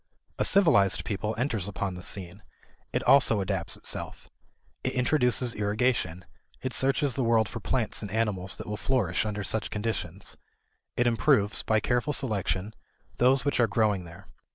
A civilized people enters upon the scene. It also adapts itself. It introduces irrigation; it searches the world for plants and animals that will flourish under such conditions; it improves, by careful selection, those which are growing there.